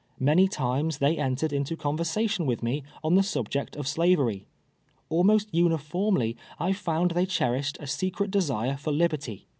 Many times they entered into conversation with me on the subject of Slavery. Almost uniformly I found they cherished a secret desire for liberty.